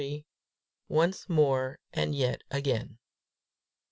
ONCE MORE, AND YET AGAIN.